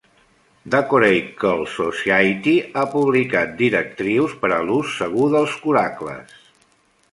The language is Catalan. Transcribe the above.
The Coracle Society ha publicat directrius per a l'ús segur dels coracles.